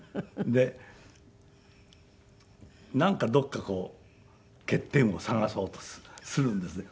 でなんかどこかこう欠点を探そうとするするんですね。